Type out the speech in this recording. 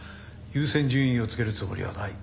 優先順位をつけるつもりはない。